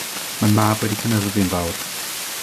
Mae Mab wedi cynhyrfu'n fawr.